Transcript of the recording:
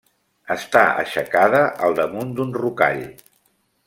Està aixecada al damunt d'un rocall.